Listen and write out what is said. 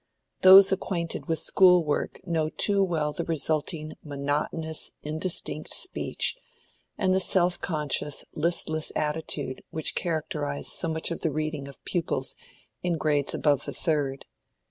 Those acquainted with school work know too well the resulting monotonous, indistinct speech and the self conscious, listless attitude which characterize so much of the reading of pupils in grades above the third.